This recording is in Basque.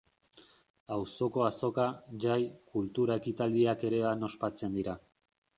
Auzoko azoka, jai, kultura ekitaldiak ere han ospatzen dira.